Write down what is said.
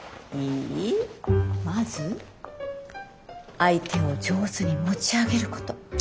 まず相手を上手に持ち上げること。